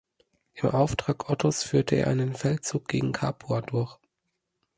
Im Auftrag Ottos führte er einen Feldzug gegen Capua durch.